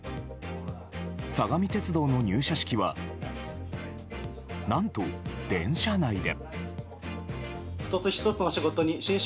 相模鉄道の入社式は何と、電車内で。